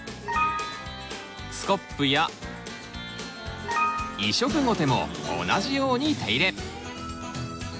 スコップや移植ゴテも同じように手入れ。